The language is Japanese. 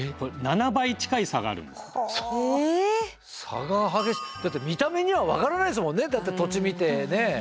差が激しいだって見た目には分からないですもんねだって土地見てね。